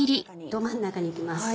ど真ん中に行きます。